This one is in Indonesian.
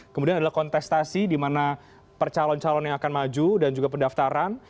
kemudian adalah kontestasi di mana percalon calon yang akan maju dan juga pendaftaran